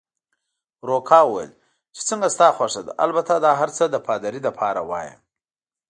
روکا وویل: چې څنګه ستا خوښه ده، البته دا هرڅه د پادري لپاره وایم.